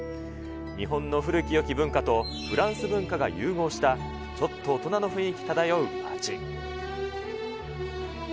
日本の古きよき文化とフランス文化が融合した、ちょっと大人の雰囲気漂う街。